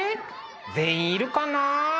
全員いるかな？